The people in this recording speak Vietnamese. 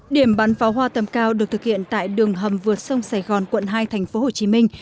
điểm bắn pháo hoa tầm cao được thực hiện tại đường hầm vượt sông sài gòn quận hai thành phố hồ chí minh